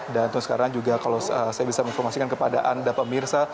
dan sekarang juga kalau saya bisa menginformasikan kepada anda pemirsa